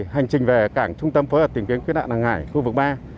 hành trình về cảng trung tâm phối hợp tìm kiếm cứu nạn hàng hải khu vực ba